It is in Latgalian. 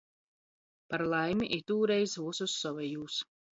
Par laimi, itūreiz vysus sovejūs.